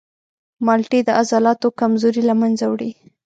مالټې د عضلاتو کمزوري له منځه وړي.